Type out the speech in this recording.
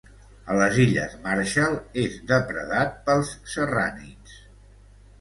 A les Illes Marshall és depredat pels serrànids.